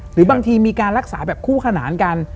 หรือบางทีมีการรักษาแบบคู่ขนานกัน